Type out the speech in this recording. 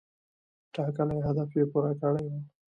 ټاکلی هدف یې پوره کړی و.